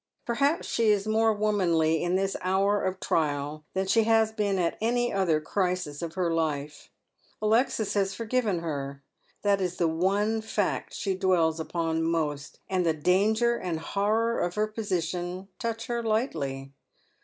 Perhaps she is more womanly in this hour of trial than she has been at any other crisis of her life. Alexis has forgiven her. That is the one fact she dwells upon most, and the danger and hoiTor of her position touch her lightly.